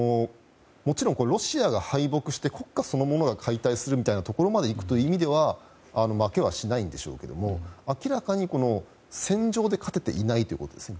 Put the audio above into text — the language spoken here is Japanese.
ロシアが敗北して国家そのものが解体するというところまで行く意味では負けはしないんでしょうけど明らかに戦場で勝てていないということですね。